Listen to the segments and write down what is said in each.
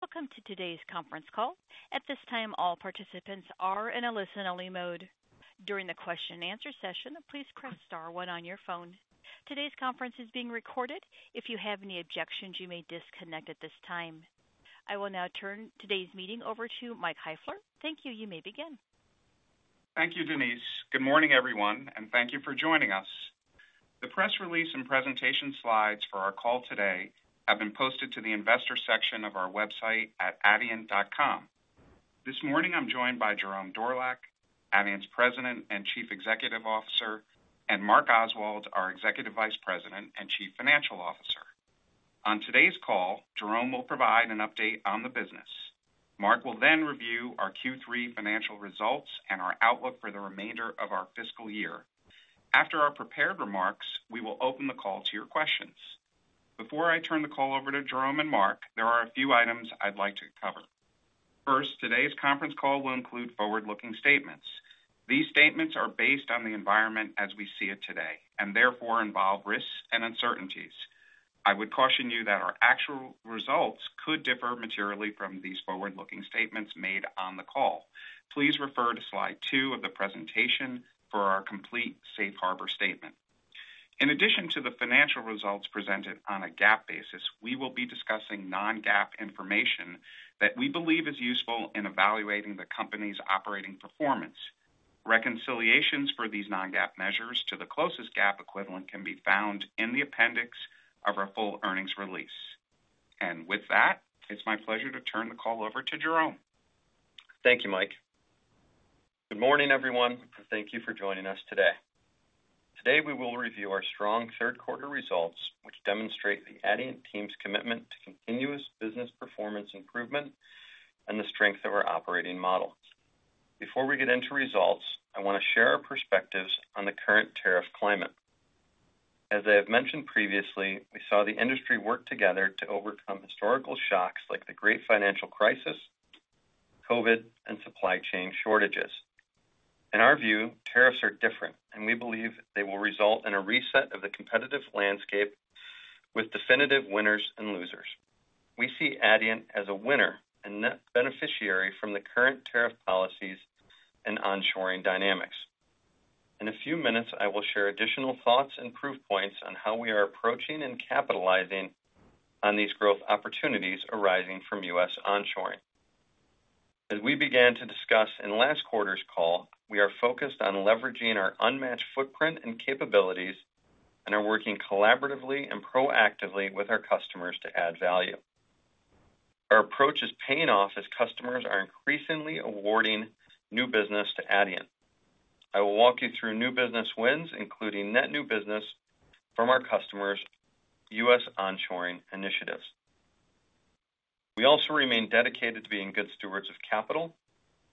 Welcome to today's conference call. At this time, all participants are in a listen-only mode. During the question and answer session, please press star one on your phone. Today's conference is being recorded. If you have any objections, you may disconnect at this time. I will now turn today's meeting over to Mike Heifler. Thank you. You may begin. Thank you, Denise. Good morning everyone and thank you for joining us. The press release and presentation slides for our call today have been posted to the Investor section of our website at adient.com. This morning I'm joined by Jerome Dorlack, Adient's President and Chief Executive Officer, and Mark Oswald, our Executive Vice President and Chief Financial Officer. On today's call, Jerome will provide an update on the business. Mark will then review our Q3 financial results and our outlook for the remainder. Of our fiscal year. After our prepared remarks, we will open the call to your questions. Before I turn the call over to Jerome and Mark, there are a few items I'd like to cover. First, today's conference call will include forward-looking statements. These statements are based on the environment as we see it today and therefore involve risks and uncertainties. I would caution you that our actual results could differ materially from these forward-looking statements made on the call. Please refer to slide two of the presentation for our complete safe harbor statement. In addition to the financial results presented on a GAAP basis, we will be discussing non-GAAP information that we believe is useful in evaluating the company's operating performance. Reconciliations for these non-GAAP measures to the closest GAAP equivalent can be found in the appendix of our full earnings release. With that, it's my pleasure to. Turn the call over to Jerome. Thank you, Mike. Good morning everyone and thank you for joining us today. Today we will review our strong third quarter results, which demonstrate the Adient team's commitment to continuous business performance improvement and the strength of our operating model. Before we get into results, I want to share our perspectives on the current tariff climate. As I have mentioned previously, we saw the industry work together to overcome historical shocks like the Great Financial Crisis, Covid, and supply chain shortages. In our view, tariffs are different, and we believe they will result in a reset of the competitive landscape with definitive winners and losers. We see Adient as a winner and net beneficiary from the current tariff policies and onshoring dynamics. In a few minutes, I will share additional thoughts and proof points on how we are approaching and capitalizing on these growth opportunities arising from U.S. onshoring. As we began to discuss in last quarter's call, we are focused on leveraging our unmatched footprint and capabilities and are working collaboratively and proactively with our customers to add value. Our approach is paying off as customers are increasingly awarding new business to Adient. I will walk you through new business wins, including net new business from our customers' U.S. onshoring initiatives. We also remain dedicated to being good stewards of capital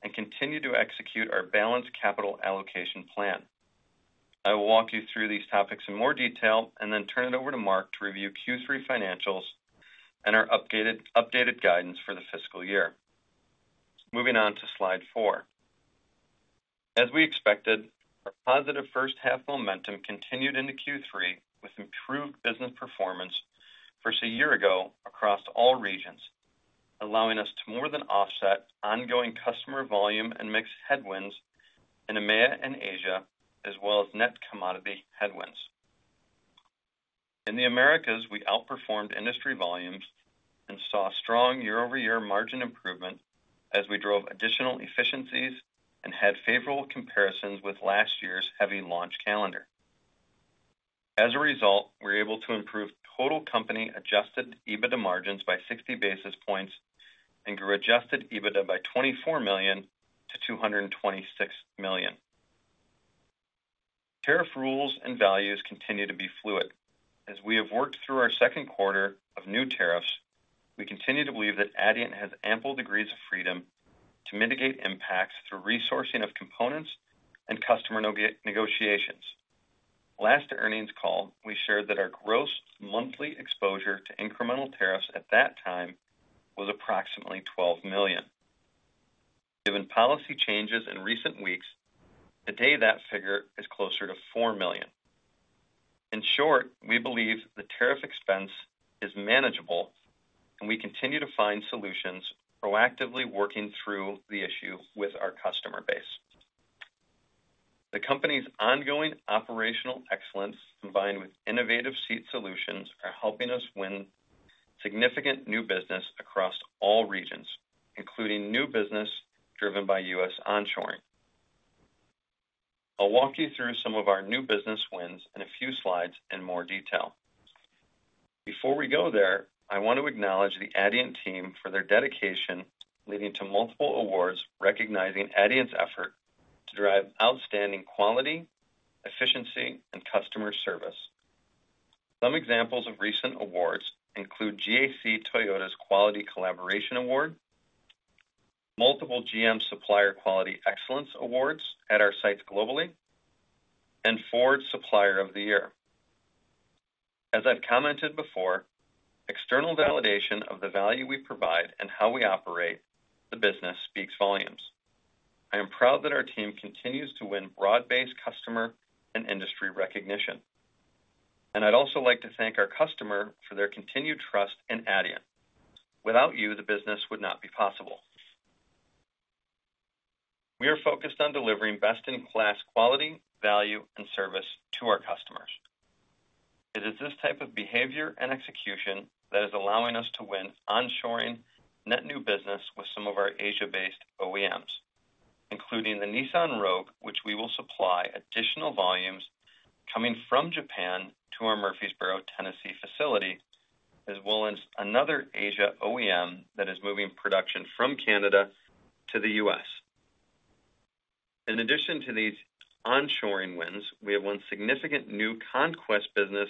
and continue to execute our balanced capital allocation plan. I will walk you through these topics in more detail and then turn it over to Mark to review Q3 financials and our updated guidance for the fiscal year. Moving on to Slide four. As we expected, our positive first half momentum continued into Q3 with improved business performance versus a year ago across all regions, allowing us to more than offset ongoing customer volume and mix headwinds in EMEA and Asia as well as net commodity headwinds in the Americas. We outperformed industry volumes and saw strong year-over-year margin improvement as we drove additional efficiencies and had favorable comparisons with last year's heavy launch calendar. As a result, we were able to improve total company adjusted EBITDA margins by 60 basis points and grew adjusted EBITDA by $24 million to $226 million. Tariff rules and values continue to be fluid. As we have worked through our second quarter of new tariffs, we continue to believe that Adient has ample degrees of freedom to mitigate impacts through resourcing of components and customer negotiations. Last earnings call, we shared that our gross monthly exposure to incremental tariffs at that time was approximately $12 million. Given policy changes in recent weeks, today that figure is closer to $4 million. In short, we believe the tariff expense is manageable and we continue to find solutions, proactively working through the issue with our customer base. The company's ongoing operational excellence combined with innovative seat solutions are helping us win significant new business across all regions, including new business driven by U.S. onshoring. I'll walk you through some of our new business wins in a few slides in more detail. Before we go there, I want to acknowledge the Adient team for their dedication leading to multiple awards recognizing Adient's effort to drive outstanding quality, efficiency, and customer service. Some examples of recent awards include GAC Toyota's Quality Collaboration Award, multiple GM Supplier Quality Excellence Awards at our sites globally, and Ford Supplier of the Year. As I've commented before, external validation of the value we provide and how we operate the business speaks volumes. I am proud that our team continues to win broad-based customer and industry recognition and I'd also like to thank our customer for their continued trust in Adient. Without you the business would not be possible. We are focused on delivering best-in-class quality, value, and service to our customers. It is this type of behavior and execution that is allowing us to win onshoring net new business with some of our Asia-based OEMs, including the Nissan Rogue, which we will supply. Additional volumes coming from Japan to our Murfreesboro, Tennessee facility as well as another Asia OEM that is moving production from Canada to the U.S. In addition to these onshoring wins, we have won significant new conquest business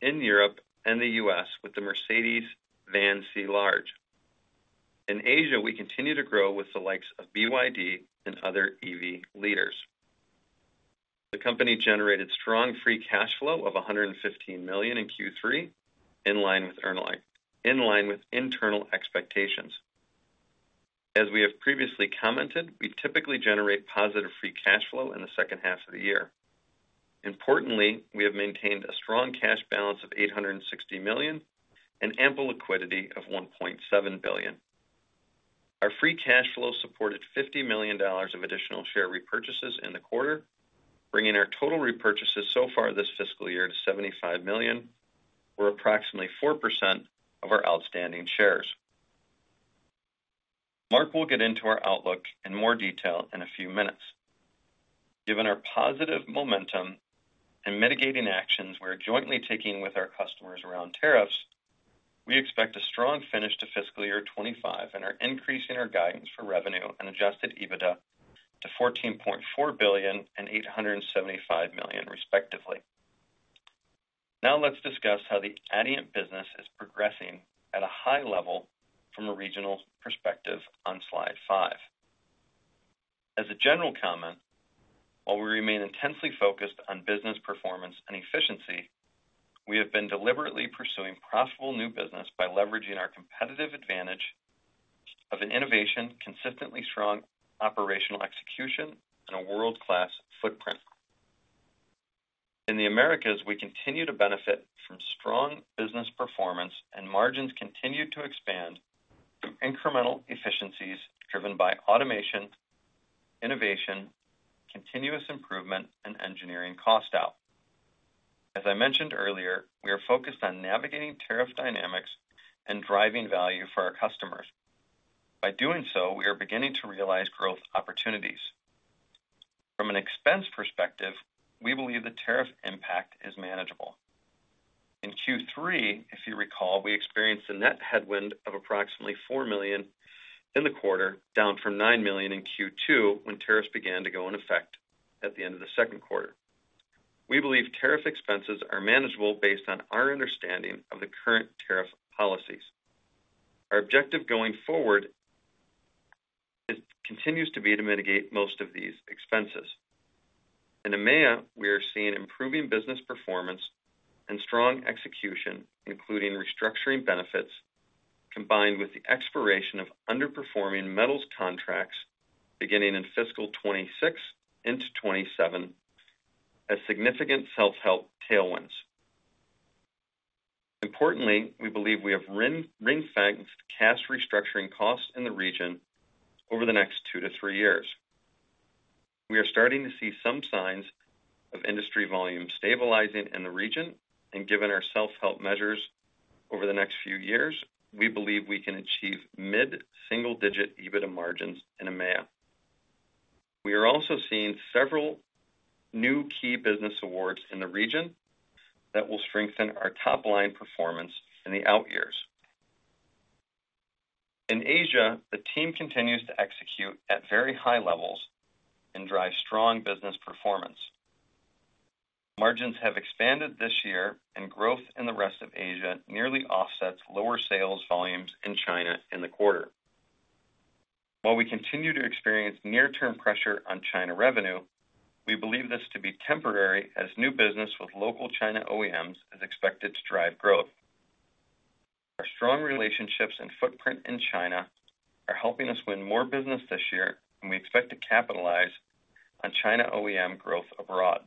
in Europe and the U.S. with the Mercedes VAN C-Large. In Asia, we continue to grow with the likes of BYD and other EV leaders. The company generated strong free cash flow of $115 million in Q3, in line with internal expectations. As we have previously commented, we typically generate positive free cash flow in the second half of the year. Importantly, we have maintained a strong cash balance of $860 million and ample liquidity of $1.7 billion. Our free cash flow supported $50 million of additional share repurchases in the quarter, bringing our total repurchases so far this fiscal year to $75 million, or approximately 4% of our outstanding shares. Mark will get into our outlook in more detail in a few minutes. Given our positive momentum and mitigating actions we're jointly taking with our customers around tariffs, we expect a strong finish to fiscal year 2025 and are increasing our guidance for revenue and adjusted EBITDA to $14.4 billion and $875 million, respectively. Now let's discuss how the Adient business is progressing at a high level from a regional perspective on slide five. As a general comment, while we remain intensely focused on business performance and efficiency, we have been deliberately pursuing profitable new business by leveraging our competitive advantage of innovation, consistently strong operational execution, and a world-class footprint in the Americas. We continue to benefit from strong business performance and margins continue to expand, incremental efficiencies driven by automation, innovation, continuous improvement, and engineering cost out. As I mentioned earlier, we are focused on navigating tariff dynamics and driving value for our customers. By doing so, we are beginning to realize growth opportunities. From an expense perspective, we believe the tariff impact is manageable in Q3. If you recall, we experienced a net headwind of approximately $4 million in the quarter, down from $9 million in Q2 when tariffs began to go in effect at the end of the second quarter. We believe tariff expenses are manageable based on our understanding of the current tariff policies. Our objective going forward continues to be to mitigate most of these expenses. In EMEA, we are seeing improving business performance and strong execution, including restructuring benefits combined with the expiration of underperforming metals contracts beginning in fiscal 2026 into 2027 as significant self-help tailwinds. Importantly, we believe we have ring-fenced cash restructuring costs in the region over the next two to three years. We are starting to see some signs of industry volume stabilizing in the region, and given our self-help measures over the next few years, we believe we can achieve mid-single-digit EBITDA margins in EMEA. We are also seeing several new key business awards in the region that will strengthen our top line performance in the out years. In Asia, the team continues to execute at very high levels and drive strong business performance. Margins have expanded this year and growth in the rest of Asia nearly offsets lower sales volumes in China in the quarter. While we continue to experience near term pressure on China revenue, we believe this to be temporary as new business with local China OEMs is expected to drive growth. Our strong relationships and footprint in China are helping us win more business this year and we expect to capitalize on China OEM growth abroad.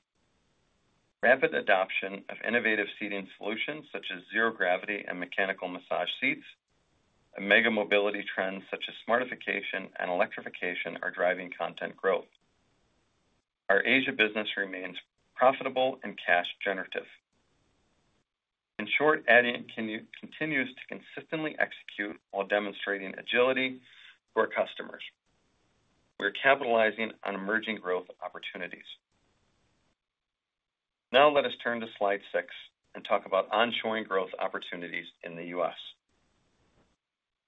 Rapid adoption of innovative seating solutions such as zero gravity and mechanical massage seating and mega mobility trends such as smartification and electrification are driving content growth. Our Asia business remains profitable and cash generative. In short, Adient continues to consistently execute while demonstrating agility for customers. We are capitalizing on emerging growth opportunities. Now let us turn to slide six and talk about onshoring growth opportunities in the U.S.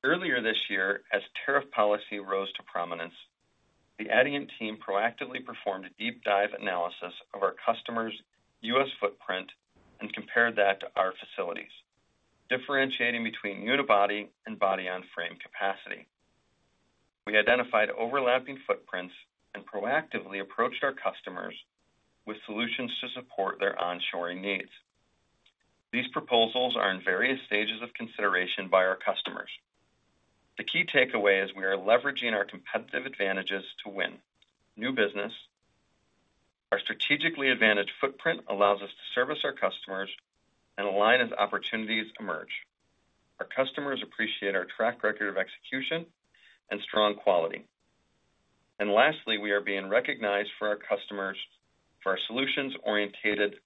Earlier this year as tariff policy rose to prominence, the Adient team proactively performed a deep dive analysis of our customers' U.S. footprint and compared that to our facilities, differentiating between unibody and body-on-frame capacity. We identified overlapping footprints and proactively approached our customers with solutions to support their onshoring needs. These proposals are in various stages of consideration by our customers. The key takeaway is we are leveraging our competitive advantages to win new business. Our strategically advantaged footprint allows us to service our customers and align as opportunities emerge. Our customers appreciate our track record of execution and strong quality, and lastly, we are being recognized by our customers for our solutions-oriented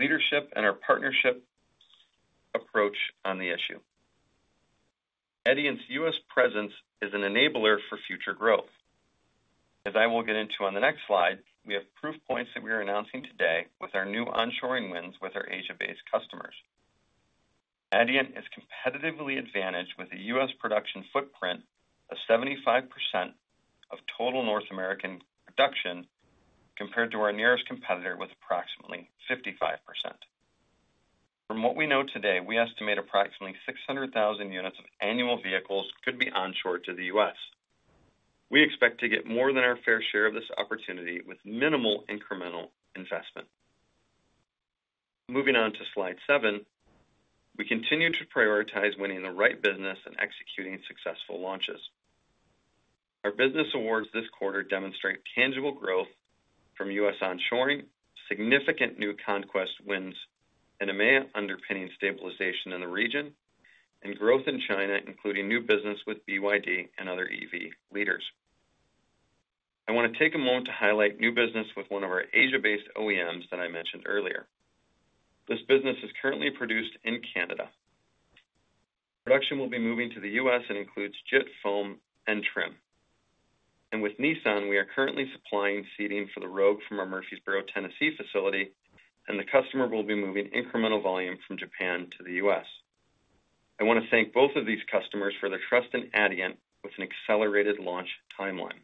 leadership and our partnership approach on the issue. Adient's U.S. presence is an enabler for future growth as I will get into on the next slide. We have proof points that we are announcing today with our new onshoring wins with our Asia-based customers. Adient is competitively advantaged with a U.S. production footprint of 75% of total North American production compared to our nearest competitor with approximately 55%. From what we know today, we estimate approximately 600,000 units of annual vehicles could be onshored to the U.S. We expect to get more than our fair share of this opportunity with minimal incremental investment. Moving on to slide seven, we continue to prioritize winning the right business and executing successful launches. Our business awards this quarter demonstrate tangible growth from U.S. onshoring, significant new conquest wins in EMEA underpinning stabilization in the region, and growth in China including new business with BYD and other EV leaders. I want to take a moment to highlight new business with one of our Asia-based OEMs that I mentioned earlier. This business is currently produced in Canada. Production will be moving to the U.S. and includes JIT Foam and Trim, and with Nissan we are currently supplying seating for the Rogue from our Murfreesboro, Tennessee facility, and the customer will be moving incremental volume from Japan to the U.S. I want to thank both of these customers for the trust in Adient. With an accelerated launch timeline,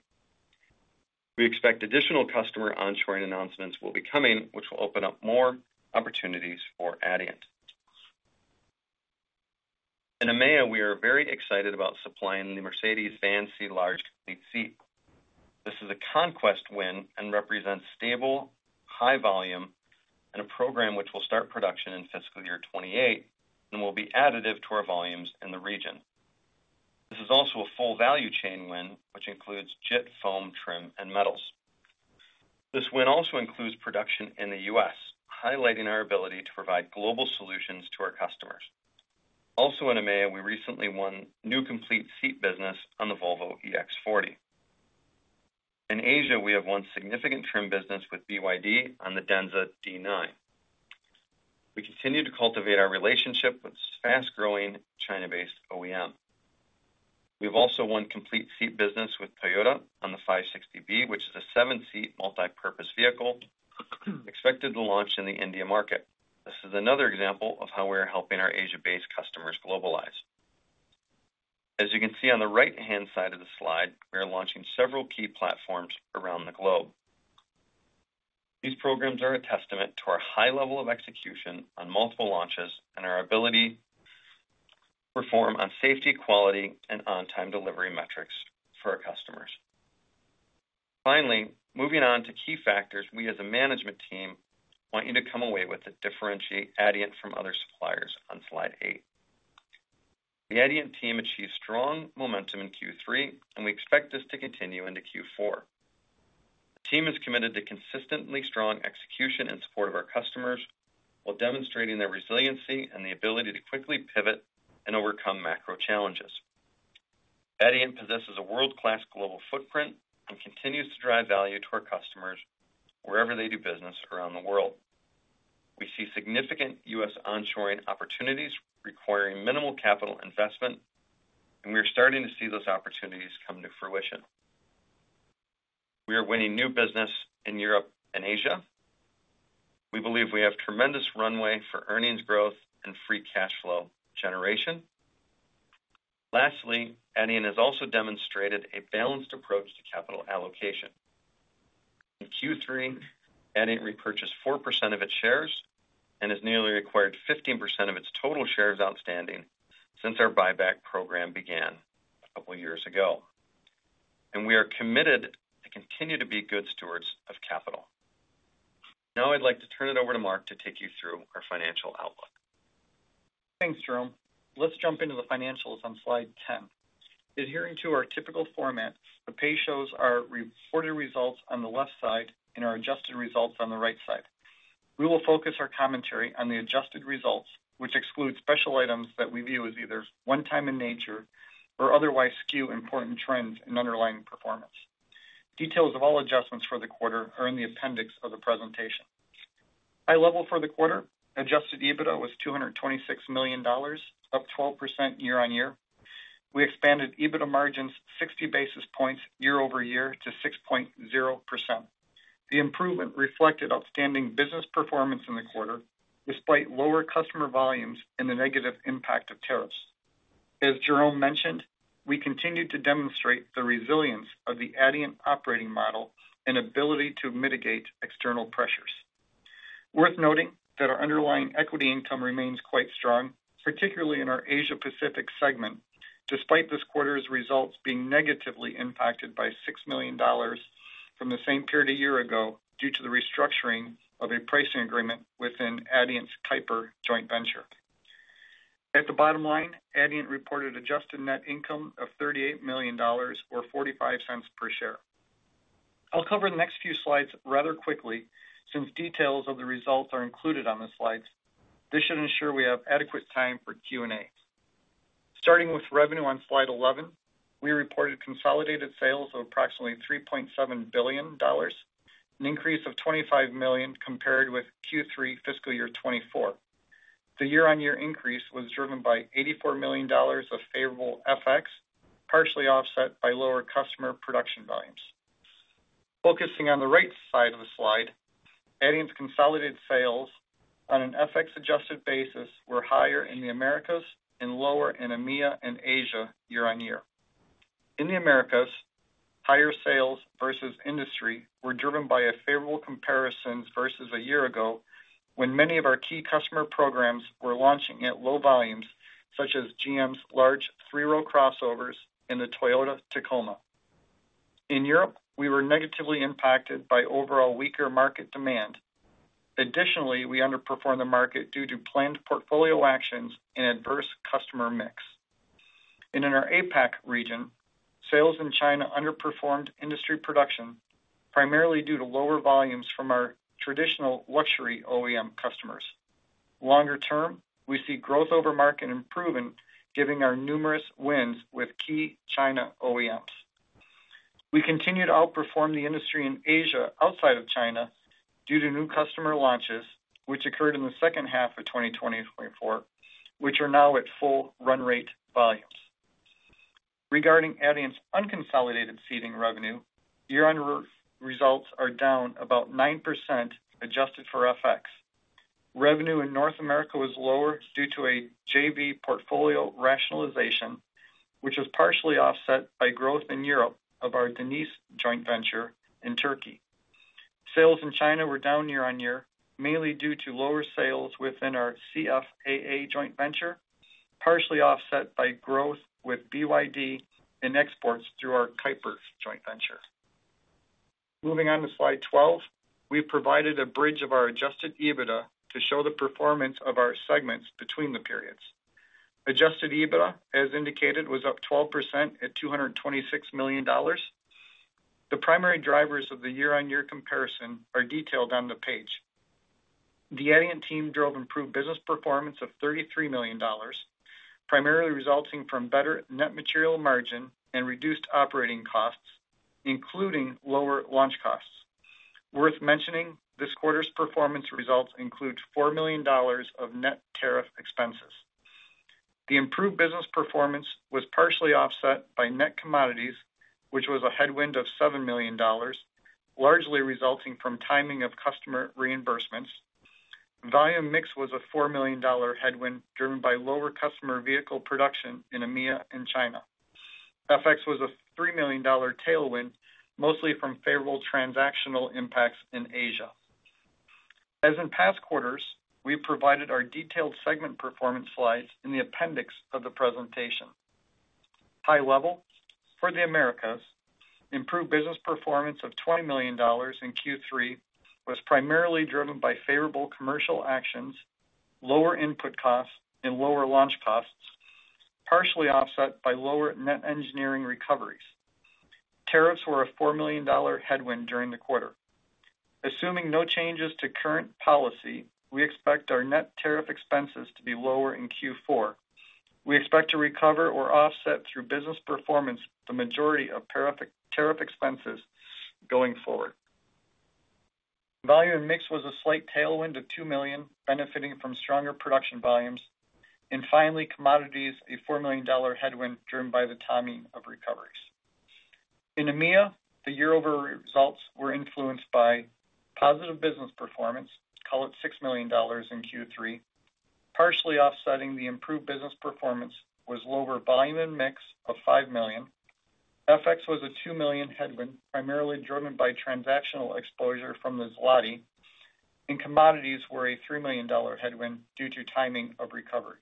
we expect additional customer onshoring announcements will be coming, which will open up more opportunities for Adient. In EMEA, we are very excited about supplying the Mercedes VAN C-Large complete seat. This is a conquest win and represents stable high volume and a program which will start production in fiscal year 2028 and will be additive to our volumes in the region. This is also a full value chain win which includes JIT Foam, Trim, and Metals. This win also includes production in the U.S., highlighting our ability to provide global solutions to our customers. Also in EMEA, we recently won new complete seat business on the Volvo EX40. In Asia, we have won significant trim business with BYD on the Denza D9. We continue to cultivate our relationship with fast-growing China-based OEM. We've also won complete seat business with Toyota on the 560B, which is a seven-seat multi-purpose vehicle expected to launch in the India market. This is another example of how we are helping our Asia-based customers globalize. As you can see on the right-hand side of the slide, we are launching several key platforms around the globe. These programs are a testament to our high level of execution on multiple launches and our ability to perform on safety, quality, and on-time delivery metrics for our customers. Finally, moving on to key factors we as a management team want you to come away with to differentiate Adient from other suppliers, on slide eight the Adient team achieved strong momentum in Q3 and we expect this to continue into Q4. Team is committed to consistently strong execution and support of our customers while demonstrating their resiliency and the ability to quickly pivot and overcome macro challenges. Adient possesses a world-class global footprint and continues to drive value to our customers wherever they do business around the world. We see significant U.S. onshoring opportunities requiring minimal capital investment, and we're starting to see those opportunities come to fruition. We are winning new business in Europe and Asia. We believe we have tremendous runway for earnings growth and free cash flow generation. Lastly, Adient has also demonstrated a balanced approach to capital allocation. In Q3, Adient repurchased 4% of its shares and has nearly acquired 15% of its total shares outstanding since our buyback program began a couple years ago, and we are committed to continue to be good stewards of capital. Now I'd like to turn it over to Mark to take you through our financial outlook. Thanks, Jerome, let's jump into the financials on slide 10. Adhering to our typical format, the page shows our reported results on the left side and our adjusted results on the right side. We will focus our commentary on the adjusted results, which exclude special items that we view as either one time in nature or otherwise skew important trends in underlying performance. Details of all adjustments for the quarter are in the appendix of the presentation. High level for the quarter, adjusted EBITDA was $226 million, up 12% year-on-year. We expanded EBITDA margins 60 basis points year-over-year to 6.0%. The improvement reflected outstanding business performance in the quarter despite lower customer volumes and the negative impact of tariffs. As Jerome mentioned, we continue to demonstrate the resilience of the Adient operating model and ability to mitigate external pressures. Worth noting that our underlying equity income remains quite strong, particularly in our Asia Pacific segment, despite this quarter's results being negatively impacted by $6 million from the same period a year ago due to the restructuring of a pricing agreement within Adient's Keiper joint venture. At the bottom line, Adient reported adjusted net income of $38 million, or $0.45 per share. I'll cover the next few slides rather quickly, since details of the results are included on the slides. This should ensure we have adequate time for Q&A. Starting with revenue on Slide 11, we reported consolidated sales of approximately $3.7 billion, an increase of $25 million compared with Q3 fiscal year 2024. The year-on-year increase was driven by $84 million of favorable FX, partially offset by lower customer production volumes. Focusing on the right side of the slide, Adient's consolidated sales on an FX adjusted basis were higher in the Americas and lower in EMEA and Asia year-on-year. In the Americas, higher sales versus industry were driven by a favorable comparison versus a year ago when many of our key customer programs were launching at low volumes, such as GM's large three row crossovers and the Toyota Tacoma. In Europe, we were negatively impacted by overall weaker market demand. Additionally, we underperformed the market due to planned portfolio actions and adverse customer mix, and in our APAC region, sales in China underperformed industry production primarily due to lower volumes from our traditional luxury OEM customers. Longer term, we see growth over market improvement given our numerous wins with key China OEMs. We continue to outperform the industry in Asia outside of China due to new customer launches which occurred in the second half of 2023-2024, which are now at full run rate volumes. Regarding Adient's unconsolidated seating revenue, year-end results are down about 9% adjusted for FX. Revenue in North America was lower due to a JV portfolio rationalization, which was partially offset by growth in Europe of our Diniz joint venture in Turkey. Sales in China were down year on year mainly due to lower sales within our CFAA joint venture, partially offset by growth with BYD and exports through our Keiper joint venture. Moving on to slide 12, we've provided a bridge of our adjusted EBITDA to show the performance of our segments between the periods. Adjusted EBITDA, as indicated, was up 12% at $226 million. The primary drivers of the year-on-year comparison are detailed on the page. The Adient team drove improved business performance of $33 million, primarily resulting from better net material margin and reduced operating costs, including lower launch costs. Worth mentioning, this quarter's performance results include $4 million of net tariff expenses. The improved business performance was partially offset by net commodities, which was a headwind of $7 million, largely resulting from timing of customer reimbursements. Volume mix was a $4 million headwind driven by lower customer vehicle production in EMEA and China. FX was a $3 million tailwind, mostly from favorable transactional impacts in Asia. As in past quarters, we provided our detailed segment performance slides in the appendix of the presentation. High level for the Americas, improved business performance of $20 million in Q3 was primarily driven by favorable commercial actions, lower input costs, and lower launch costs, partially offset by lower net engineering recoveries. Tariffs were a $4 million headwind during the quarter. Assuming no changes to current policy, we expect our net tariff expenses to be lower in Q4. We expect to recover or offset through business performance the majority of tariff expenses going forward. Volume and mix was a slight tailwind of $2 million, benefiting from stronger production volumes, and finally, commodities, a $4 million headwind driven by the timing of recoveries in EMEA. The year-over results were influenced by positive business performance, call it $6 million in Q3. Partially offsetting the improved business performance was lower volume and mix of $5 million. FX was a $2 million headwind, primarily driven by transactional exposure from the zloty, and commodities were a $3 million headwind due to timing of recoveries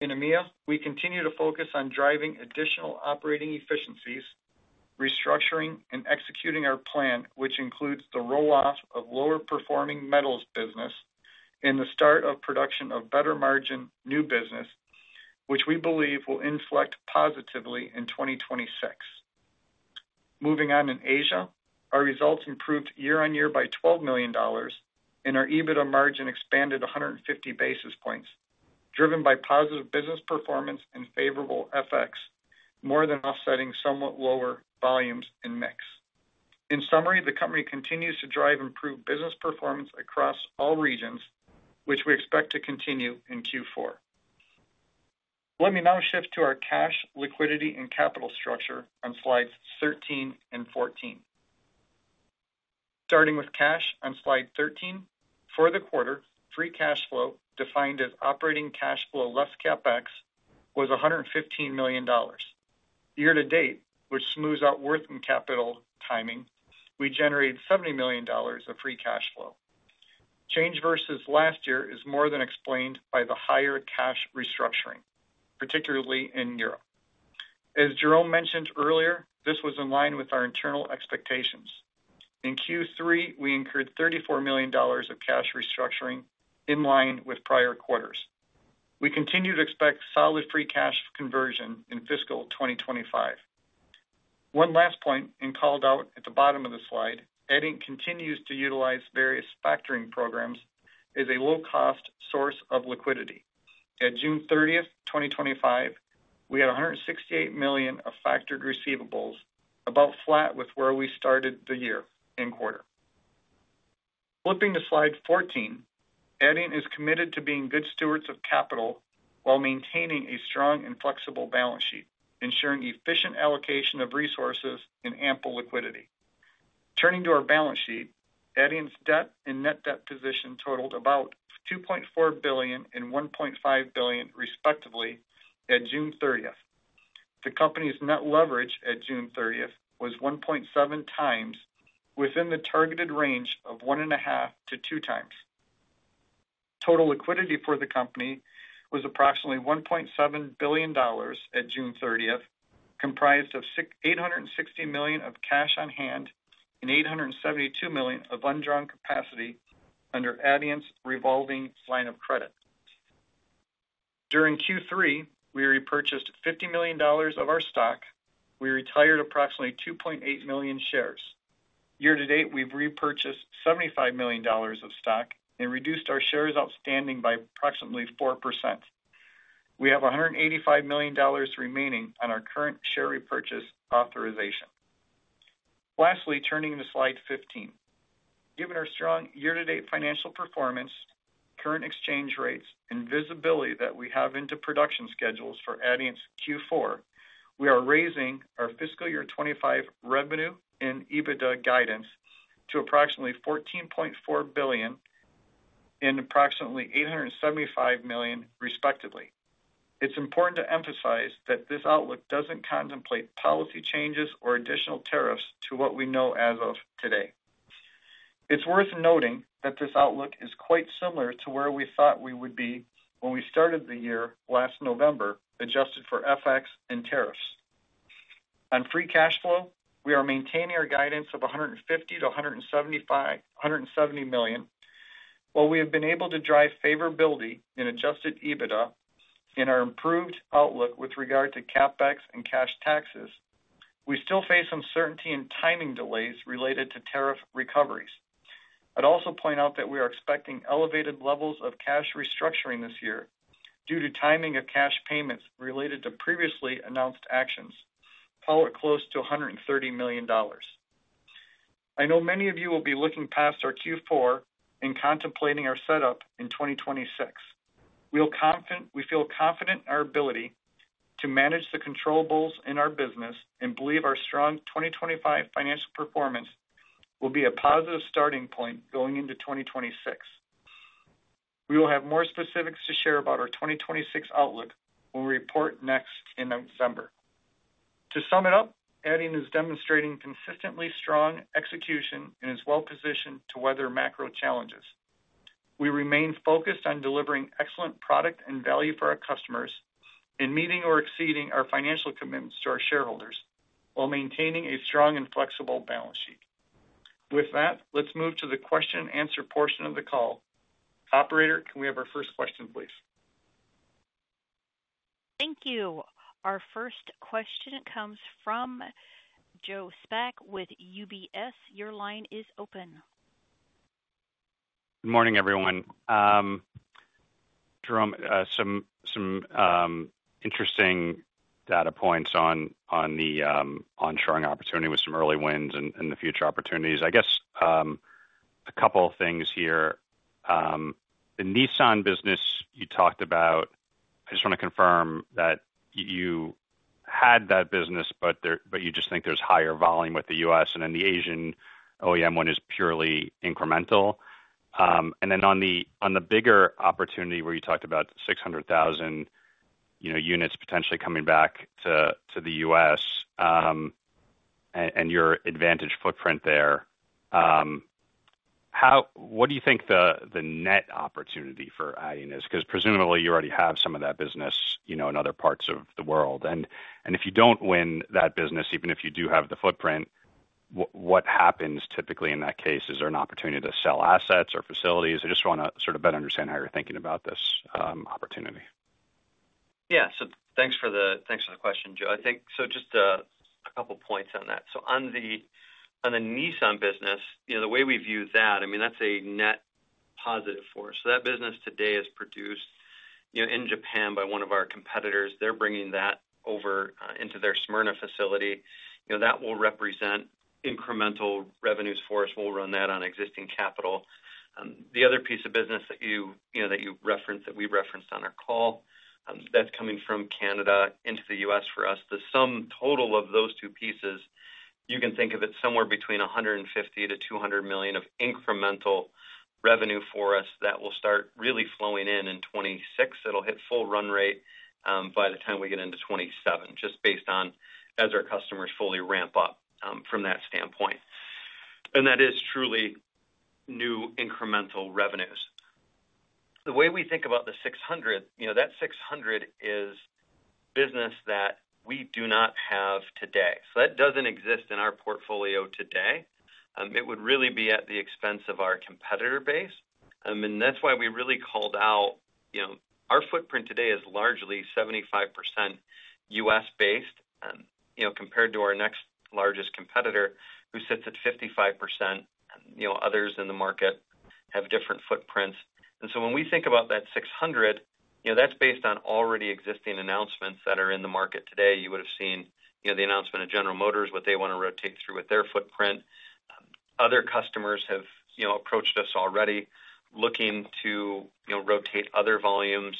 in EMEA. We continue to focus on driving additional operating efficiencies, restructuring, and executing our plan, which includes the roll off of lower performing metals business and the start of production of better margin new business, which we believe will inflect positively in 2026. Moving on, in Asia, our results improved year on year by $12 million, and our EBITDA margin expanded 150 basis points, driven by positive business performance and favorable FX more than offsetting somewhat lower volumes and mix. In summary, the company continues to drive improved business performance across all regions, which we expect to continue in Q4. Let me now shift to our cash liquidity and capital structure on slides 13 and 14. Starting with cash on slide 13, for the quarter, free cash flow defined as operating cash flow less CapEx was $115 million year to date, which smooths out working capital timing. We generated $70 million of free cash flow. Change versus last year is more than explained by the higher cash restructuring, particularly in Europe. As Jerome mentioned earlier, this was in line with our internal expectations. In Q3, we incurred $34 million of cash restructuring, in line with prior quarters. We continue to expect solid free cash conversion in fiscal 2025. One last point, and called out at the bottom of the slide, Adient continues to utilize various factoring programs as a low cost source of liquidity. At June 30th, 2025, we had $168 million of factored receivables, about flat with where we started the year and quarter. Flipping to slide 14, Adient is committed to being good stewards of capital while maintaining a strong and flexible balance sheet, ensuring efficient allocation of resources and ample liquidity. Turning to our balance sheet, Adient's debt and net debt position totaled about $2.4 billion and $1.5 billion, respectively, at June 30th. The company's net leverage at June 30 was 1.7x, within the targeted range of 1.5x-2x. Total liquidity for the company was approximately $1.7 billion at June 30, comprised of $860 million of cash on hand and $872 million of undrawn capacity under Adient's revolving line of credit. During Q3, we repurchased $50 million of our stock. We retired approximately 2.8 million shares. Year to date, we've repurchased $75 million of stock and reduced our shares outstanding by approximately 4%. We have $185 million remaining on our current share repurchase authorization. Lastly, turning to slide 15, given our strong year to date financial performance, current exchange rates, and visibility that we have into production schedules for Adient's Q4, we are raising our fiscal year 2025 revenue and EBITDA guidance to approximately $14.4 billion and approximately $875 million, respectively. It's important to emphasize that this outlook doesn't contemplate policy changes or additional tariffs to what we know as of today. It's worth noting that this outlook is quite similar to where we thought we would be when we started the year last November. Adjusted for FX and tariffs on free cash flow, we are maintaining our guidance of $150 million-$175 million. While we have been able to drive favorability in adjusted EBITDA in our improved outlook with regard to CapEx and cash taxes, we still face uncertainty and timing delays related to tariff recoveries. I'd also point out that we are expecting elevated levels of cash restructuring this year due to timing of cash payments related to previously announced actions, all at close to $130 million. I know many of you will be looking past our Q4 and contemplating our setup in 2026. We are confident. We feel confident in our ability to manage the controllables in our business and believe our strong 2025 financial performance will be a positive starting point going into 2026. We will have more specifics to share about our 2026 outlook when we report next in November. To sum it up, Adient is demonstrating consistently strong execution and is well positioned to weather macro challenges. We remain focused on delivering excellent product and value for our customers in meeting or exceeding our financial commitments to our shareholders while maintaining a strong and flexible balance sheet. With that, let's move to the question and answer portion of the call. Operator, can we have our first question please? Thank you. Our first question comes from Joe Spak with UBS. Your line is open. Good morning everyone. Jerome, some interesting data points on the onshoring opportunity with some early wins and the future opportunities. I guess a couple of things here. The Nissan business you talked about, I just want to confirm that you had that business, but you just think there's higher volume with the U.S. and then the Asian OEM one is purely incremental. On the bigger opportunity where you talked about 600,000 units potentially coming back to the U.S. and your advantage footprint there. How. What do you think the net opportunity for Adient is? Because presumably you already have some of that business in other parts of the world. If you don't win that business, even if you do have the footprint, what happens typically in that case? Is there an opportunity to sell assets or facilities? I just want to better understand how you're thinking about this opportunity. Yeah, thanks for the question, Joe. I think so. Just a couple points on that. On the Nissan business, the way we view that, I mean, that's a net positive for us. That business today is produced in Japan by one of our competitors. They're bringing that over into their Smyrna facility. That will represent incremental revenues for us. We'll run that on existing capital. The other piece of business that you referenced, that we referenced on our call, that's coming from Canada into the U.S. for us, the sum total of those two pieces, you can think of it somewhere between $150 million-$200 million of incremental revenue for us that will start really flowing in in 2026. It'll hit full run rate by the time we get into 2027, just based on as our customers fully ramp up from that standpoint. That is truly new incremental revenues. The way we think about the 600,000, that 600,000 is business that we do not have today. That doesn't exist in our portfolio today. It would really be at the expense of our competitor base. That's why we really called out our footprint today is largely 75% U.S. based compared to our next largest competitor, who sits at 55%. Others in the market have different footprints. When we think about that 600,000, that's based on already existing announcements that are in the market today. You would have seen the announcement of General Motors, what they want to rotate through with their footprint. Other customers have approached us already looking to rotate other volumes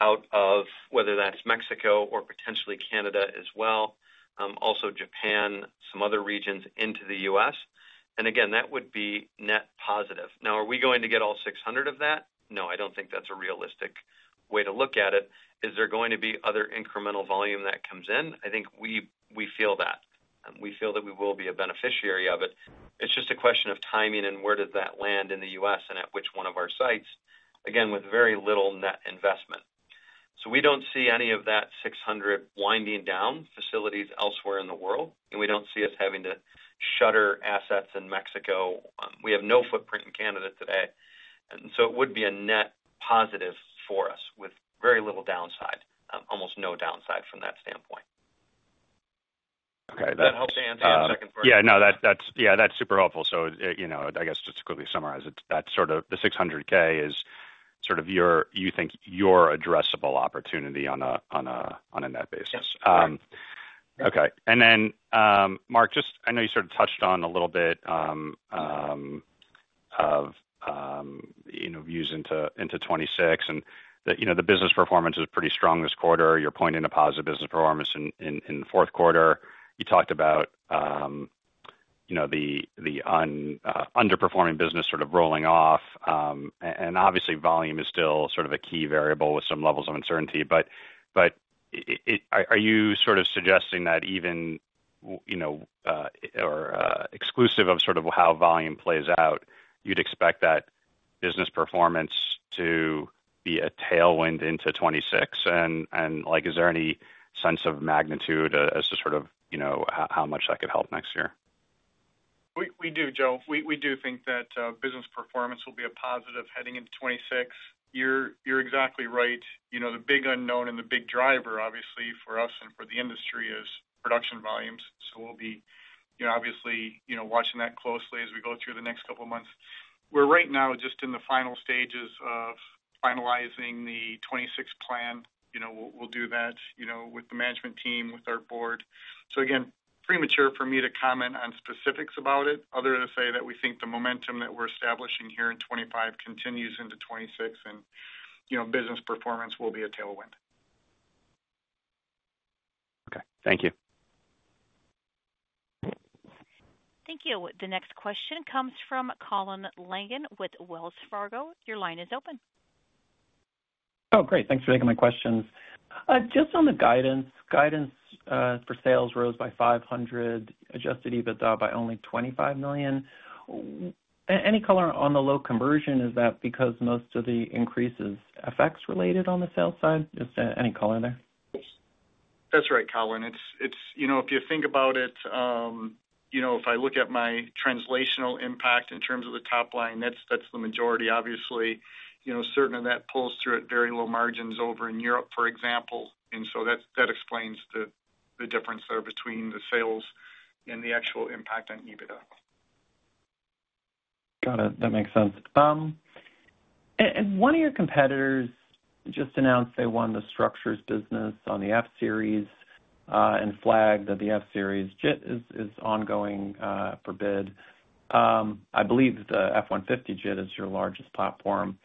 out of whether that's Mexico or potentially Canada, also Japan, some other regions into the U.S., and again, that would be net positive. Now, are we going to get all 600,000 of that? No, I don't think that's a realistic way to look at it. Is there going to be other incremental volume that comes in? I think we feel that we will be a beneficiary of it. It's just a question of timing and where does that land in the U.S. and at which one of our sites. Again, with very little net investment. We don't see any of that 600,000 winding down facilities elsewhere in the world. We don't see us having to shutter assets in Mexico. We have no footprint in Canada today. It would be a net positive for us with very little downside. Almost no downside from that standpoint. Okay, that helps answer your second part. Yeah, that's super helpful. I guess just to quickly summarize it, the 600,000 is sort of your, you think your addressable opportunity on a net basis. Okay. Mark, I know you sort of touched on a little bit of views into 2026 and the business performance is pretty strong this quarter. You're pointing to positive business performance in the fourth quarter. You talked about the underperforming business sort of rolling off. Obviously, volume is still sort of a key variable, levels of uncertainty. Are you sort of suggesting that even, or exclusive of how volume plays out, you'd expect that business performance to be a tailwind into 2026? Is there any sense of magnitude as to how much that could help next year? We do, Joe, we do think that business performance will be a positive heading in 2026. You're exactly right. The big unknown and the big driver obviously for us and for the industry is production volumes. We'll be obviously watching that closely as we go through the next couple of months. We're right now just in the final stages of finalizing the 2026 plan. We'll do that with the management team, with our Board. Again, premature for me to comment on specifics about it, other to say that we think the momentum that we're establishing here in 2025 continues into 2026 and business performance will be a tailwind. Okay, thank you. Thank you. The next question comes from Colin Langan with Wells Fargo. Your line is open. Oh great. Thanks for taking my questions. Just on the guidance, guidance for sales rose by $500 million, adjusted EBITDA by only $25 million. Any color on the low conversion? Is that because most of the increases? FX related on the sales side? Just any color there? That's right. Colin, if you think about it, if I look at my translational impact in terms of the top line, that's the majority obviously. Certain of that pulls through at very low margins over in Europe, for example, and that explains the difference there between the sales and the actual impact on EBITDA. Got it. That makes sense. One of your competitors just announced they won the structures business on the F Series and flagged that the F Series JIT is ongoing for bid. I believe the F-150 JIT is your largest platform.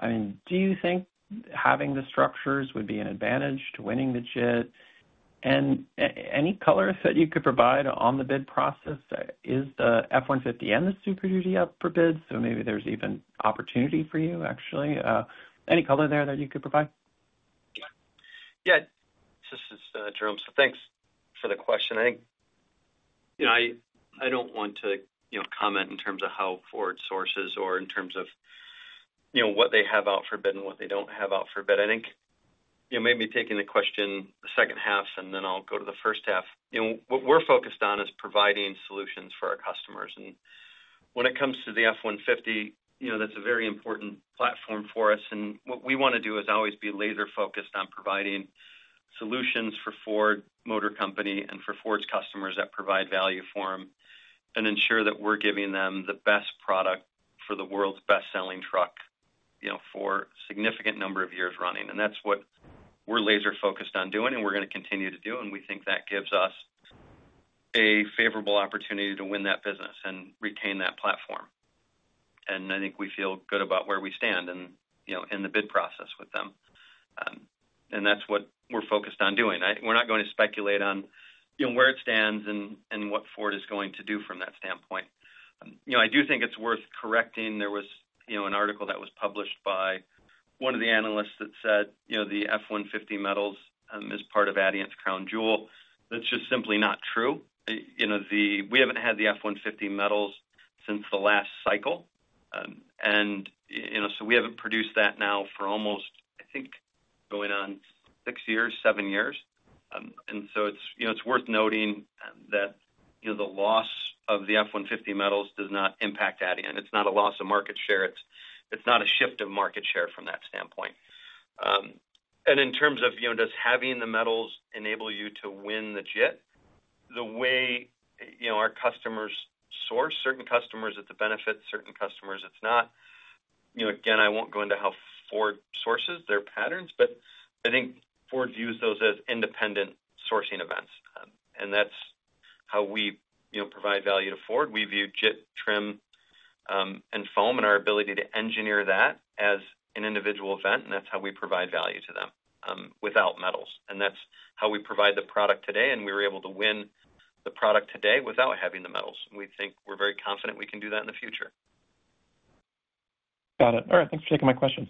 Do you think having the structures would be an advantage to winning the JIT? Any colors that you could provide on the bid process is the F-150. The super duty is up for bids. Is there any color there that you could provide? Yeah, this is Jerome, so thanks for the question. I think, you know, I don't want to comment in terms of how forward sources or in terms of what they have out for bid and what they don't have out for bid. I think maybe taking the question the second half and then I'll go to the first half, what we're focused on is providing solutions for our customers. When it comes to the F-150, that's a very important platform for us. What we want to do is always be laser focused on providing solutions for Ford Motor Company and for Ford's customers that provide value for them and ensure that we're giving them the best product for the world's best selling truck for a significant number of years running. That's what we're laser focused on doing and we're going to continue to do. We think that gives us a favorable opportunity to win that business and retain that platform. I think we feel good about where we stand in the bid process with them and that's what we're focused on doing. We're not going to speculate on where it stands and what Ford is going to do from that standpoint, but I do think it's worth correcting. There was an article that was published by one of the analysts that said the F-150 metals is part of Adient's crown jewel. That's just simply not true. We haven't had the F-150 metals since the last cycle. We haven't produced that now for almost, I think, going on six years, seven years. It's worth noting that the loss of the F-150 metals does not impact Adient. It's not a loss of market share. It's not a shift of market share from that standpoint. In terms of does having the metals enable you to win the JIT the way our customers source, certain customers, it's a benefit. Certain customers, it's not. Again, I won't go into how Ford sources their patterns, but I think Ford views those as independent sourcing events. That's how we provide value to Ford. We view JIT Trim and Foam and our ability to engineer that as an individual event. That's how we provide value to them without metals. That's how we provide the product today. We were able to win the product today without having the metals. We think we're very confident we can do that in the future. Got it. All right, thanks for taking my questions.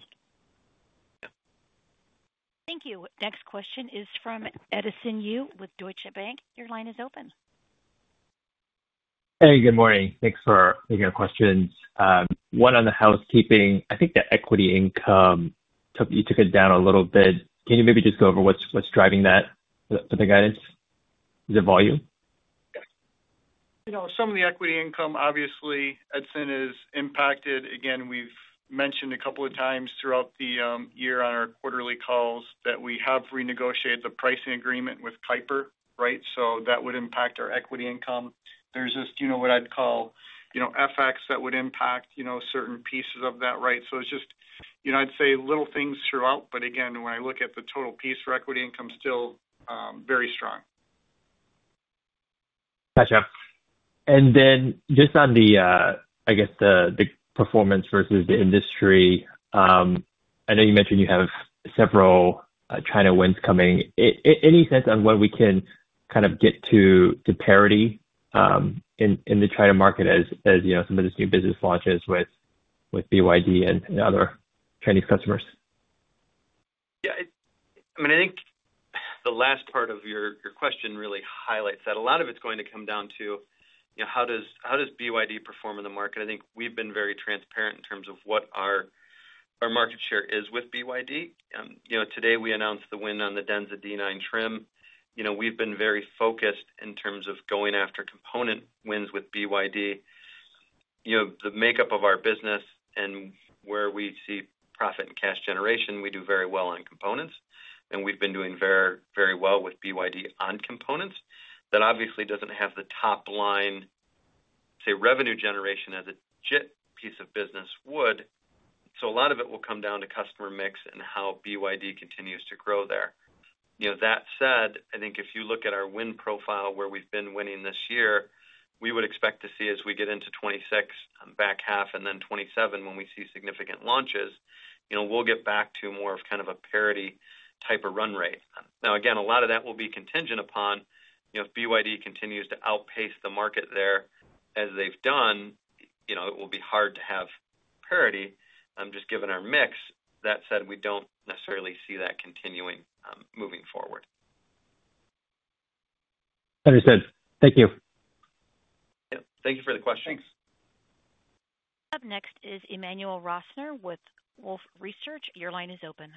Thank you. Next question is from Edison Yu with Deutsche Bank. Your line is open. Hey, good morning. Thanks for taking our questions. One on the housekeeping, I think the equity income, you took it down a little bit. Can you maybe just go over what's driving that for the guidance? Is it volume? You know, some of the equity income, obviously Adient is impacted. Again, we've mentioned a couple of times throughout the year on our quarterly calls that we have renegotiated the pricing agreement with Keiper. Right. That would impact our equity income. There are just, you know, what I'd call effects that would impact, you know, certain pieces of that. Right. It's just, you know, I'd say little things throughout, but again, when I look at the total piece for equity income, still very strong. Gotcha. Just on the performance versus the industry, I know you mentioned you have several China wins coming. Any sense on when we can kind of get to parity in the China market as some of this new business launches with BYD and other Chinese customers? Yeah, I mean, I think the last part of your question really highlights that a lot of it's going to come down to, you know, how does, how does BYD perform in the market? I think we've been very transparent in terms of what our market share is with BYD. You know, today we announced the win on the Denza D9 trim. You know, we've been very focused in terms of going after component wins with BYD. You know, the makeup of our business and where we see profit and cash generation. We do very well on components, and we've been doing very, very well with BYD on components. That obviously doesn't have the top line, say, revenue generation as a JIT piece of business would. A lot of it will come down to customer mix and how BYD continues to grow there. That said, I think if you look at our win profile, where we've been winning this year, we would expect to see as we get into 2026 back half and then 2027 when we see significant launches, we'll get back to more of kind of a parity type of run rate. Now, again, a lot of that will be contingent upon, you know, if BYD continues to outpace the market there as they've done, it will be hard to have parity just given our mix. That said, we don't necessarily see that continuing moving forward. Understood. Thank you. Thank you for the question. Thanks. Up next is Emmanuel Rosner with Wolfe Research. Your line is open.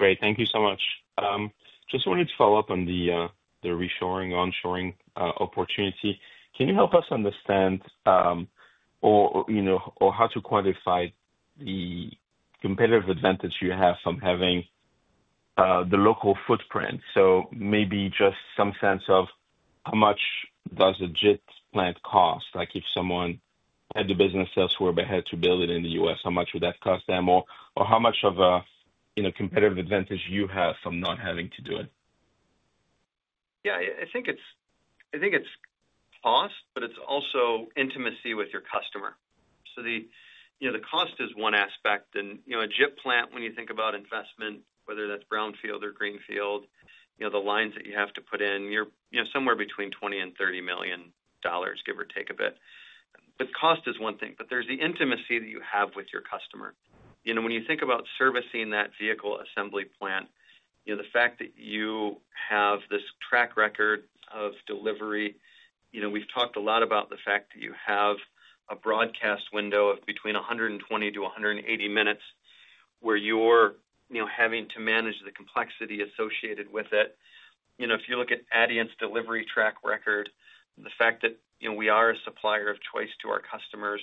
Great. Thank you so much. Just wanted to follow up on the. Reshoring, onshoring opportunity. Can you help us understand how to quantify the competitive advantage you have from having the local footprint? Maybe just some sense of how much does a JIT plant cost? If someone had the business, say, was forced to build it in the U.S., how much would that cost them? How much of a competitive advantage do you have from not having to do it? Yeah, I think it's cost, but it's also intimacy with your customer. The cost is one aspect. In a JIT plant, when you think about investment, whether that's brownfield or greenfield, the lines that you have to put in, you're somewhere between $20 million and $30 million, give or take a bit. Cost is one thing, but there's the intimacy that you have with your customer. When you think about servicing that vehicle assembly plant, the fact that you have this track record of delivery. We've talked a lot about the fact that you have a broadcast window of between 120-80 minutes where you're having to manage the complexity associated with it. If you look at Adient's delivery track record, the fact that we are a supplier of choice to our customers,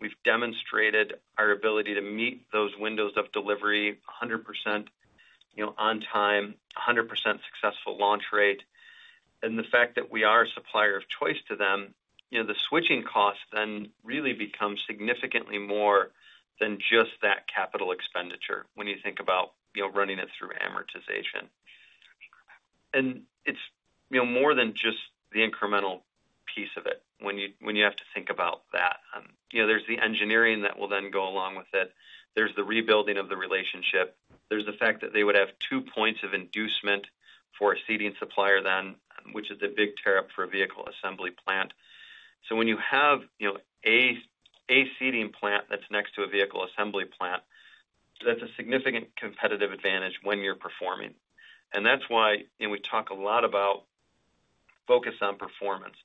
we've demonstrated our ability to meet those windows of delivery: 100% on time, 100% successful launch rate, and the fact that we are a supplier of choice to them. The switching costs then really become significantly more than just that capital expenditure. When you think about running it through amortization, it's more than just the incremental piece of it. When you have to think about that, there's the engineering that will then go along with it, there's the rebuilding of the relationship, there's the fact that they would have two points of inducement for a seating supplier then, which is a big tear up for a vehicle assembly plant. When you have a seating plant that's next to a vehicle assembly plant, that's a significant competitive advantage when you're performing. That's why we talk a lot about focus on performance.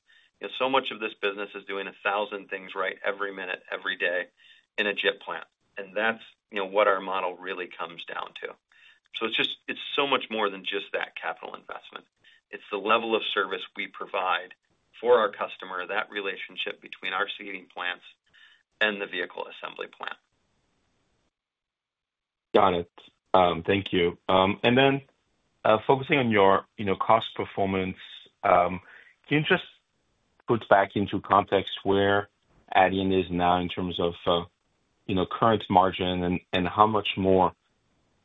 So much of this business is doing a thousand things right every minute, every day in a JIT plant. That's what our model really comes down to. It's so much more than just that capital investment. It's the level of service we provide for our customer, that relationship between our seating plants and the vehicle assembly plant. Got it, thank you. Focusing on your cost performance, can you just put back into context where Adient is now in terms of current margin and how much more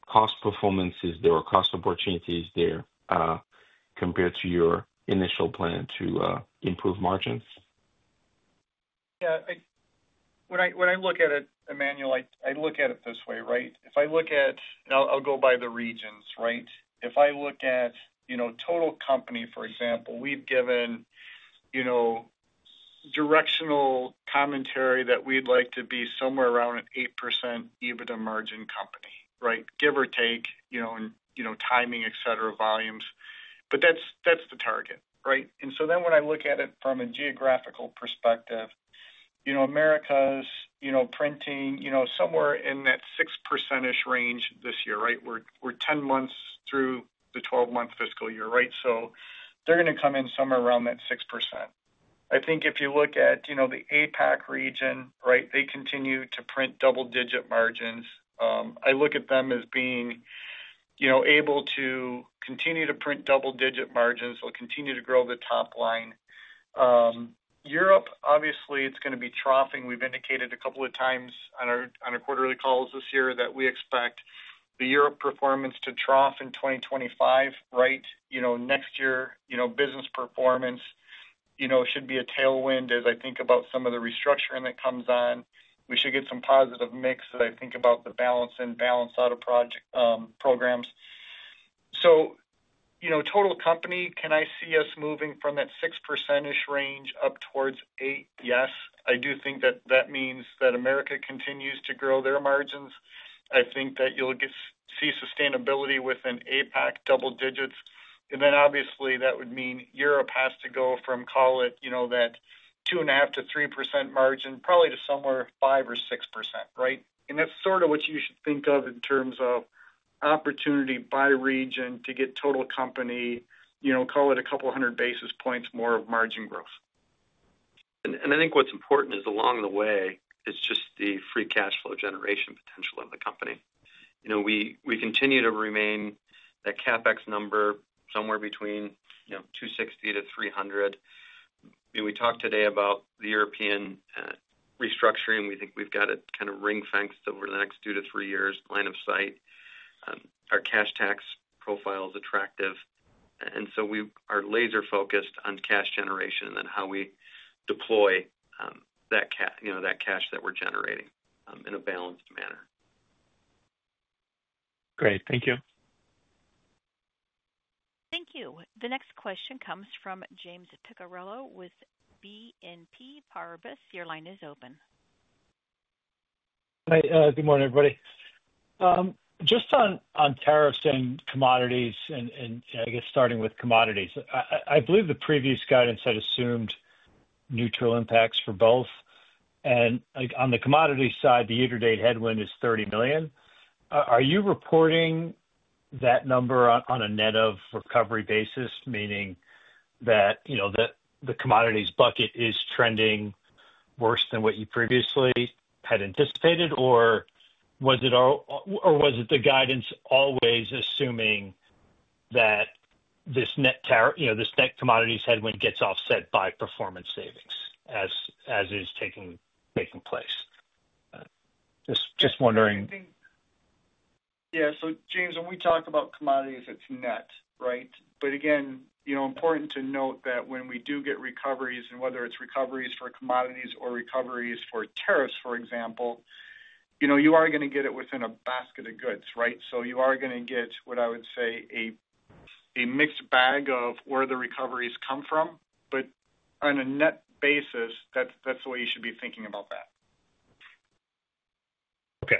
cost performance is there or cost opportunities there? Compared to your initial plan to improve margins? Yeah, when I look at it, Emmanuel, I look at it this way, right? If I look at now I'll go by the regions, right. If I look at, you know, total company, for example, we've given, you know, directional commentary that we'd like to be somewhere around an 8% EBITDA margin company, right. Give or take, you know, and you know, timing, etc., volumes. That's the target, right. When I look at it from a geographical perspective, America's, you know, printing, you know, somewhere in that 6% ish range this year, right. We're 10 months through the 12 month fiscal year, right. They're going to come in somewhere around that 6%. I think if you look at, you know, the APAC region, right, they continue to print double digit margins. I look at them as being, you know, able to continue to print double digit margins. They'll continue to grow the top line. Europe, obviously it's going to be troughing. We've indicated a couple of times on our quarterly calls this year that we expect the Europe performance to trough in 2025. Next year, you know, business performance should be a tailwind. As I think about some of the restructuring that comes on, we should get some positive mix, think about the balance and balance out of project programs. Total company, can I see us moving from that 6% ish range up towards 8%? Yes. I do think that means that America continues to grow their margins. I think that you'll see sustainability within APAC double digits. Obviously, that would mean Europe has to go from, call it, you know, that 2.5%-3% margin probably to somewhere 5% or 6%. Right. That's sort of what you should think of in terms of opportunity by region to get total company, you know, call it a couple hundred basis points more of margin growth. I think what's important is along the way it's just the free cash flow generation potential of the company. We continue to remain that CapEx number somewhere between $260 million-$300 million. We talked today about the European restructuring. We think we've got it kind of ring fenced over the next two to three years line of sight. Our cash tax profile is attractive, and we are laser focused on cash generation and how we deploy that cash that we're generating in a balanced manner. Great, thank you. Thank you. The next question comes from James Picariello with BNP Paribas. Your line is open. Good morning everybody. Just on tariffs and commodities, and I guess starting with commodities, I believe the previous guidance had assumed neutral impacts for both. On the commodity side, the year to date headwind is $30 million. Are you reporting that number on a net of recovery basis, meaning that the commodities bucket is trending worse than what you previously had anticipated, or was the guidance always assuming that this net commodities headwind gets offset by performance savings as is taking place? Just wondering. Yeah. James, when we talk about commodities, it's net, right? Again, important to note that when we do get recoveries, and whether it's recoveries for commodities or recoveries for tariffs, for example, you are going to get it within a basket of goods, right? You are going to get what I would say is a mixed bag of where the recoveries come from. On a net basis, that's the way you should be thinking about that. Okay,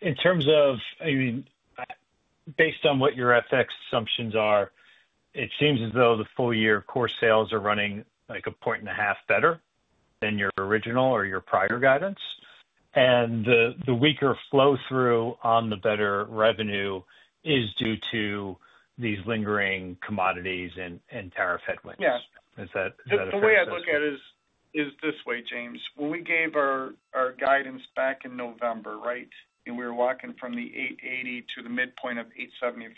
in terms of, I mean, based on what your assumptions are, it seems as though the full year core sales are running like a point and a half better. Than your original or your prior guidance. The weaker flow through on the better revenue is due to these lingering commodities and tariff headwinds. Yeah. Is that the way I look at it? Is this way, James. When we gave our guidance back in November, right, and we were walking from the $880 million to the midpoint of $875 million,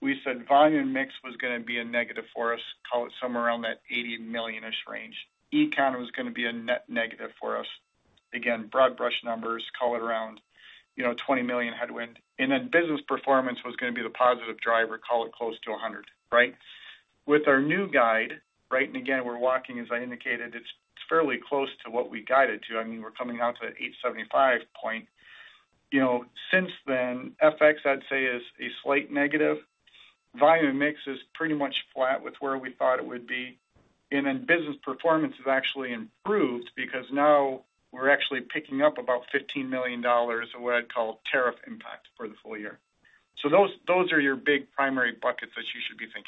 we said volume mix was going to be a negative for us, call it somewhere around that $80 million-ish range. Econ was going to be a net negative for us, again, broad brush numbers, call it around, you know, $20 million headwind. Business performance was going to be the positive driver, call it close to $100 million. Right. With our new guide. Right. Again, we're walking, as I indicated, it's fairly close to what we guided to. I mean, we're coming out to $875 million. Since then, FX I'd say is a slight negative. Volume mix is pretty much flat with where we thought it would be. Business performance has actually improved because now we're actually picking up about $15 million of what I call tariff impact for the full year. Those are your big primary buckets that you should be thinking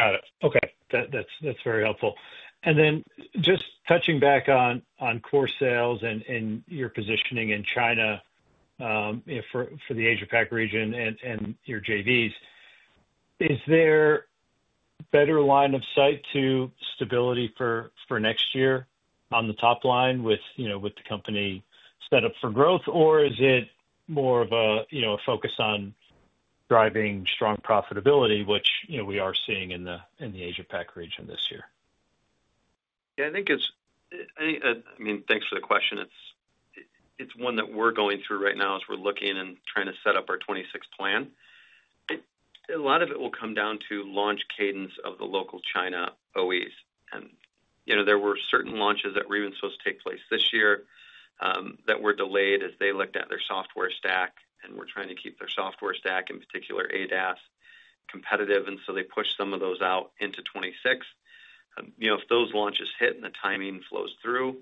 of. Okay, that's very helpful. Just touching back on core sales and your positioning in China for the Asia PAC region and your JVs, is there better line of sight to stability for next year on the top line with the company set up for growth, or is it more of a focus on driving strong profitability which we are seeing in the Asia PAC region this year? Thanks for the question. It's one that we're going through right now as we're looking and trying to set up our 2026 plan. A lot of it will come down to launch cadence of the local China OEMs. There were certain launches that were even supposed to take place this year that were delayed as they looked at their software stack. They're trying to keep their software stack, in particular ADAS, competitive, and they pushed some of those out into 2026. If those launches hit and the timing flows through,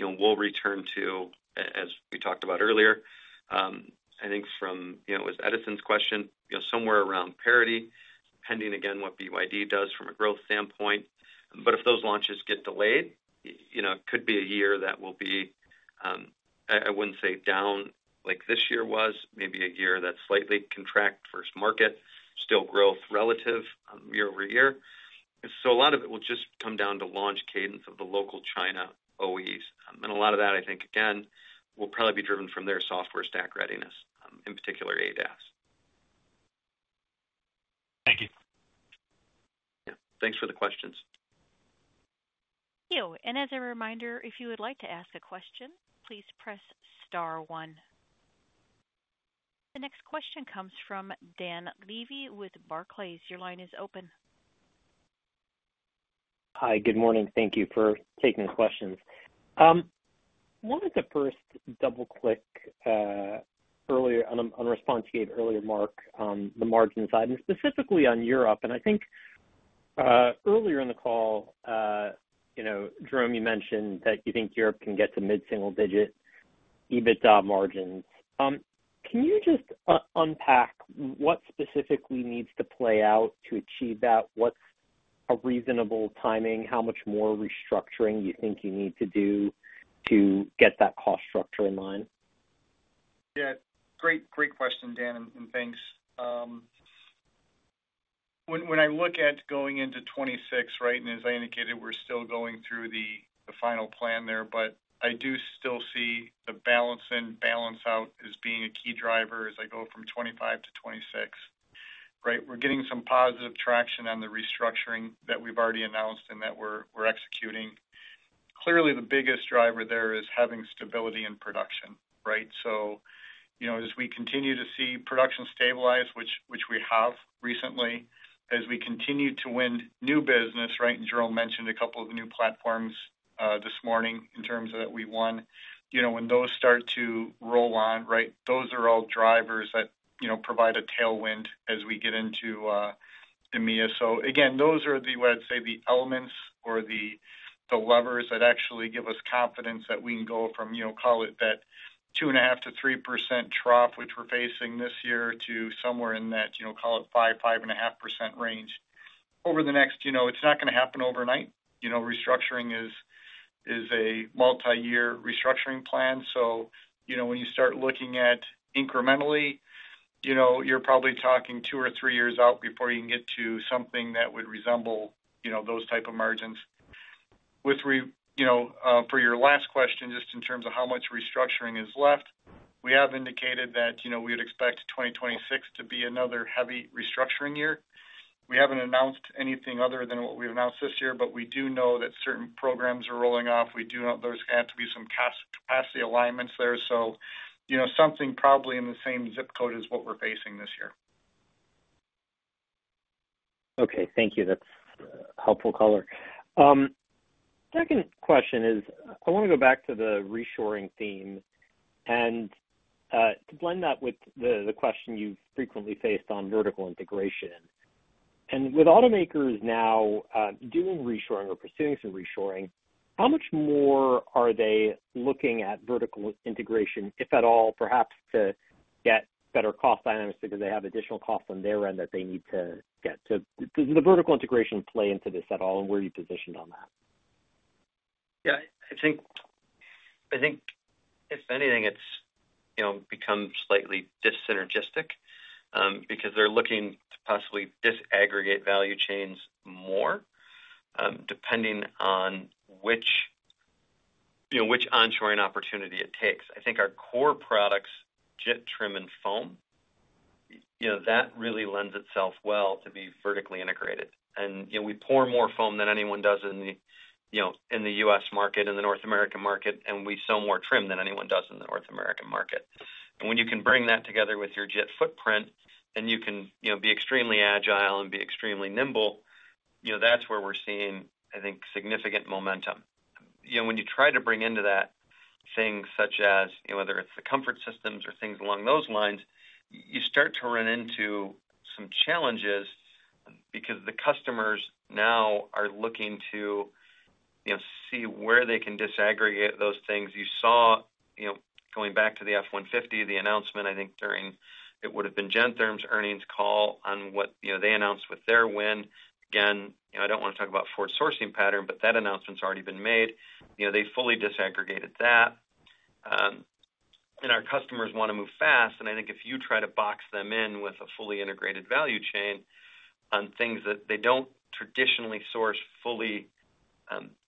we'll return to, as we talked about earlier, I think from, as Edison's question, somewhere around parity pending again what BYD does from a growth standpoint. If those launches get delayed, it could be a year that will be, I wouldn't say down like this year was, maybe a year that slightly contracts, first market still growth relative year over year. A lot of it will just come down to launch cadence of the local China OEMs, and a lot of that I think again will probably be driven from their software stack readiness, in particular ADAS. Thank you. Thanks for the questions. Thank you. As a reminder, if you would like to ask a question, please press star one. The next question comes from Dan Levy with Barclays. Your line is open. Hi, good morning. Thank you for taking questions. Wanted to first double click earlier on response you gave earlier Mark on the margin side and specifically on Europe, and I think earlier in the call Jerome, you mentioned that you think Europe can get to mid single digit EBITDA margin. Can you just unpack what specifically needs to play out to achieve that? What a reasonable timing. How much more restructuring you think you need to do to get that cost structure in mind? Yeah, great, great question Dan, and thanks. When I look at going into 2026, right, and as I indicated we're still going through the final plan there, but I do still see the balance in, balance out as being a key driver as I go from 2025 to 2026, right. We're getting some positive traction on the restructuring that we've already announced and that we're executing. Clearly the biggest driver there is having stability in production. Right. As we continue to see production stabilize, which we have recently, as we continue to win new business, right, and Jerome mentioned a couple of the new platforms this morning in terms of that we won, when those start to roll on, those are all drivers that provide a tailwind as we get into EMEA. Again, those are what I'd say the elements or the levers that actually give us confidence that we can go from, call it that 2.5%-3% trough which we're facing this year to somewhere in that, call it 5%, 5.5% range over the next, you know, it's not going to happen overnight. Restructuring is a multi-year restructuring plan. When you start looking at incrementally, you're probably talking two or three years out before you can get to something that would resemble those type of margins. For your last question, just in terms of how much restructuring is left, we have indicated that we would expect 2026 to be another heavy restructuring year. We haven't announced anything other than what we've announced this year, but we do know that certain programs are rolling off. We do know there's had to be some capacity alignments there, so something probably in the same zip code as what we're facing this year. Okay, thank you. That's helpful. Second question is, I want to go. Back to the reshoring theme and blend that with the question you've frequently faced on vertical integration. With automakers now doing reshoring or pursuing some reshoring, how much more are they looking at vertical integration, if at all? Perhaps to get better cost dynamics because they have additional cost on their end that they need to get to. Does the vertical integration play into this at all? Where are you positioned on that? Yeah, I think, if anything, it's become slightly dis-synergistic because they're looking to possibly disaggregate value chains more, depending on which onshoring opportunity it takes. I think our core products, JIT Trim and Foam, that really lends itself well to be vertically integrated. We pour more foam than anyone does in the U.S. market, in the North American market, and we sell more trim than anyone does in the North American market. When you can bring that together with your JIT footprint and you can be extremely agile and be extremely nimble, that's where we're seeing significant momentum. When you try to bring into that things such as whether it's the comfort systems or things along those lines, you start to run into some challenges because the customers now are looking to see where they can disaggregate those things. You saw, going back to the F-150, the announcement. I think during it would have been Gentherm's earnings call on what they announced with their win. Again, I don't want to talk about forward sourcing pattern, but that announcement's already been made. They fully disaggregated that. Our customers want to move fast. I think if you try to box them in with a fully integrated value chain on things that they don't traditionally source fully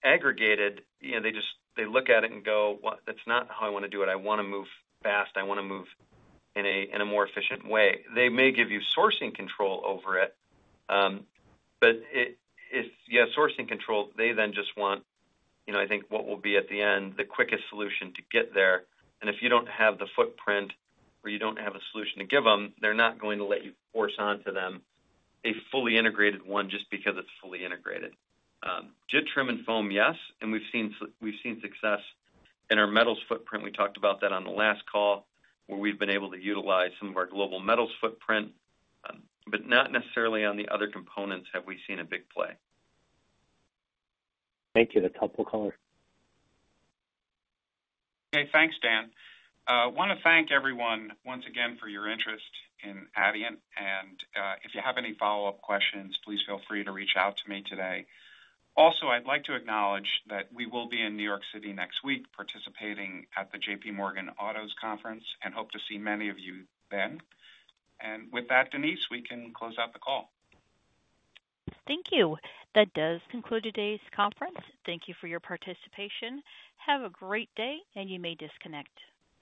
aggregated, they look at it and go, that's not how I want to do it. I want to move fast. I want to move in a more efficient way. They may give you sourcing control over it, but if you have sourcing control, they then just want what will be at the end the quickest solution to get there. If you don't have the footprint or you don't have a solution to give them, they're not going to let you force onto them a fully integrated one just because it's fully integrated. JIT Trim and Foam, yes. We've seen success in our metals footprint. We talked about that on the last call where we've been able to utilize some of our global metals footprint, but not necessarily on the other components have we seen a big play. Thank you. That's helpful. Color. Okay. Thanks, Dan. I want to thank everyone once again for your interest in Adient. If you have any follow up questions, please feel free to reach out to me today. I would also like to acknowledge that we will be in New York City next week participating at the JP Morgan Autos Conference and hope to see many of you then. With that, Denise, we can close out the call. Thank you. That does conclude today's conference. Thank you for your participation. Have a great day. You may disconnect.